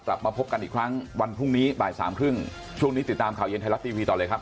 กลับมาพบกันอีกครั้งวันพรุ่งนี้บ่ายสามครึ่งช่วงนี้ติดตามข่าวเย็นไทยรัฐทีวีต่อเลยครับ